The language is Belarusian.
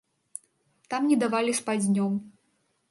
Там не давалі спаць днём.